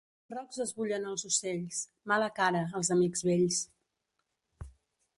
Rocs esbullen els ocells; mala cara, els amics vells.